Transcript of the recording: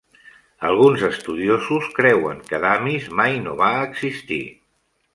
Alguns estudiosos creuen que Damis mai no va existir.